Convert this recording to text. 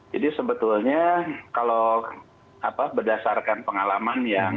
jadi sebetulnya kalau berdasarkan pengalaman yang